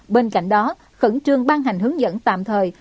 bên cạnh đó khẩn trương ban hành hướng dẫn tạm thời